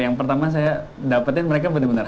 yang pertama saya dapetin mereka benar benar